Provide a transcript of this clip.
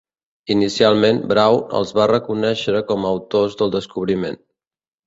Inicialment, Brown els va reconèixer com a autors del descobriment.